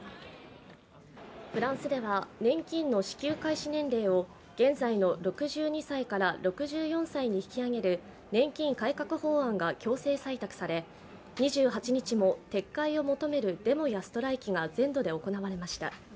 フランスでは年金の支給開始年齢を現在の６２歳から６４歳に引き上げる年金改革法案が強制採択され、２８日も撤回を求めるデモやストライキが全土で行われました。